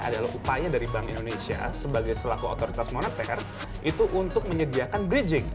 adalah upaya dari bank indonesia sebagai selaku otoritas moneter itu untuk menyediakan bridging